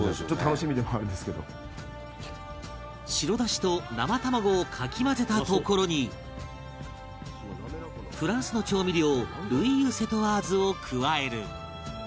白だしと生卵をかき混ぜたところにフランスの調味料ルイユセトワーズを加える